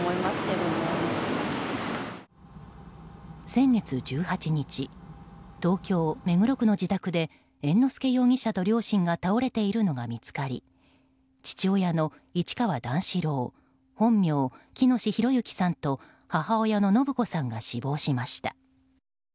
先月１８日東京・目黒区の自宅で猿之助容疑者と両親が倒れているのが見つかり父親の市川段四郎本名、喜熨斗弘之さんと母親の延子さんが死亡しました。